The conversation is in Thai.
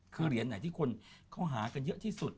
คือเหรียญไหนที่คนเขาหากันเยอะที่สุด